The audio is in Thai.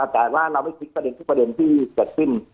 แต่ว่าเราไม่คิดประเด็นที่สัดสิ้น